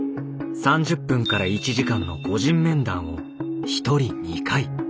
３０分から１時間の個人面談を１人２回。